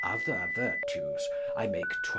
other vertues I make xii.